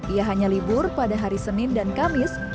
ia hanya libur pada hari senin dan kamis